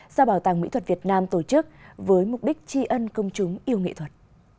do bảo tàng mỹ thuật việt nam tổ chức với mục đích tri ân công chúng yêu nghệ thuật